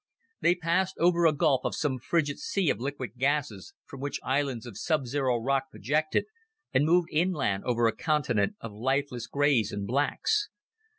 They passed over a gulf of some frigid sea of liquid gases, from which islands of subzero rock projected, and moved inland over a continent of lifeless grays and blacks.